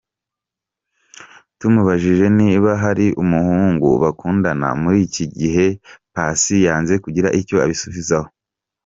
Tumubajije niba hari umuhugu bakundana muri iki gihe, Paccy yanze kugira icyo abisubizaho.